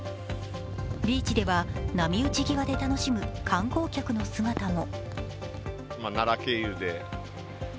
ビーチでは波打ち際で楽しむ観光客の姿も。